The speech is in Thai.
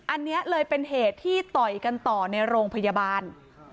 อันนี้เลยเป็นเหตุที่ต่อยกันต่อในโรงพยาบาล